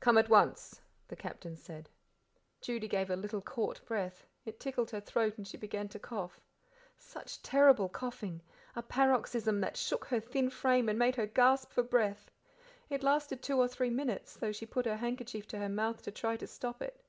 "Come at once," the Captain said. Judy gave a little caught breath; it tickled her throat and she began to cough. Such terrible coughing, a paroxysm that shook her thin frame and made her gasp for breath. It lasted two or three minutes, though she put her handkerchief to her mouth to try to stop it.